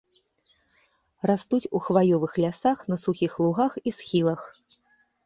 Растуць у хваёвых лясах, на сухіх лугах і схілах.